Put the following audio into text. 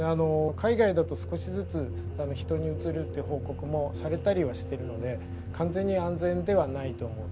海外だと少しずつ人にうつるって報告もされたりはしてるので完全に安全ではないと思うんですね。